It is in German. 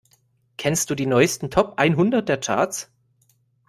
Kennst du die neusten Top einhundert der Charts?